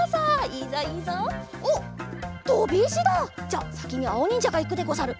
じゃあさきにあおにんじゃがいくでござる。